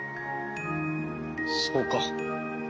そうか。